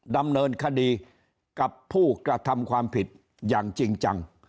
ดำเนินคดีกับผู้กระทำความผิดอย่างจริงจัง